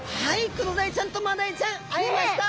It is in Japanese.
クロダイちゃんとマダイちゃん会えました！